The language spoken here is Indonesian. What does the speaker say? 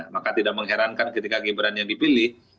maka tidak mengherankan ketika gibran yang dipilih